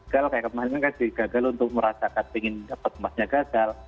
kalau kayak kemarin kan gagal untuk merasakan ingin dapat emasnya gagal